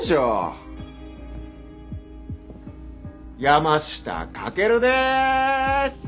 山下駆です！